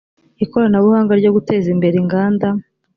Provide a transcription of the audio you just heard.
ikoranabuhanga ryo guteza imbere inganda